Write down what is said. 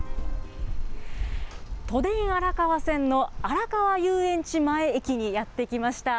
都電荒川線の荒川遊園地前駅にやって来ました。